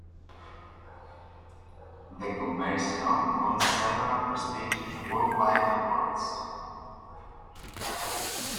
The commercial won several prestigious worldwide awards.